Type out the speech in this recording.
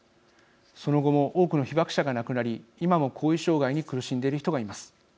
その後も多くの被爆者が亡くなり今も、後遺障害に苦しんでいる人がいます。